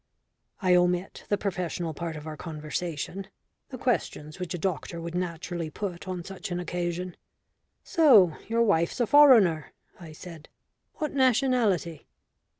I omit the professional part of our conversation the questions which a doctor would naturally put on such an occasion. "So your wife's a foreigner," I said. "What nationality?"